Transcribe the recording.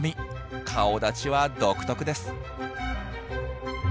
顔だちは独特です。